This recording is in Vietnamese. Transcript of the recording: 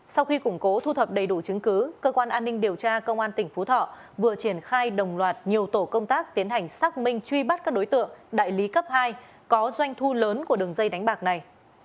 sau khi củng cố thu thập đầy đủ chứng cứ cơ quan an ninh điều tra công an tỉnh phú thọ vừa triển khai đồng loạt nhiều tổ công tác tiến hành xác minh truy bắt các đối tượng đại lý cấp hai có doanh thu lớn của đường dây đánh bạc này